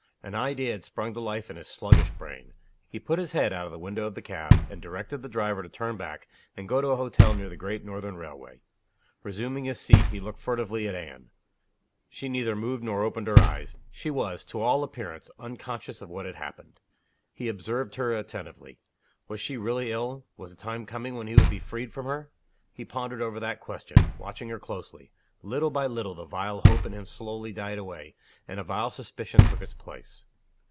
An idea had sprung to life in his sluggish brain. He put his head out of the window of the cab, and directed the driver to turn back, and go to an hotel near the Great Northern Railway. Resuming his seat, he looked furtively at Anne. She neither moved nor opened her eyes she was, to all appearance, unconscious of what had happened. He observed her attentively. Was she really ill? Was the time coming when he would be freed from her? He pondered over that question watching her closely. Little by little the vile hope in him slowly died away, and a vile suspicion took its place.